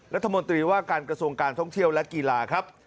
รัฐมนตรีว่าการกระทรวงการท่องเที่ยวและกีฬาครับ